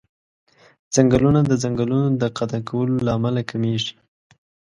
ځنګلونه د ځنګلونو د قطع کولو له امله کميږي.